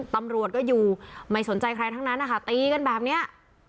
ตำรวจก็อยู่ไม่สนใจใครทั้งนั้นนะคะตีกันแบบนี้